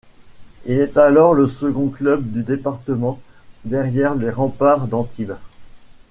Il est alors le second club du département derrière les Remparts d'Antibes.